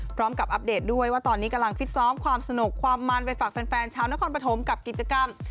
อัปเดตด้วยว่าตอนนี้กำลังฟิตซ้อมความสนุกความมันไปฝากแฟนชาวนครปฐมกับกิจกรรม